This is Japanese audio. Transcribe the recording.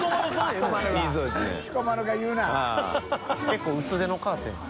結構薄手のカーテンや。